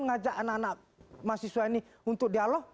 mengajak anak anak mahasiswa ini untuk dialog